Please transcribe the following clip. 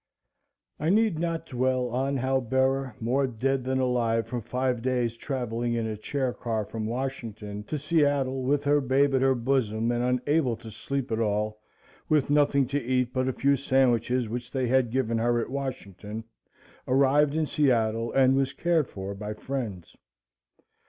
I need not dwell on how Bera, more dead than alive from five days traveling in a chair car from Washington to Seattle with her babe at her bosom and unable to sleep at all with nothing to eat but a few sandwiches which they had given her at Washington arrived in Seattle and was cared for by friends.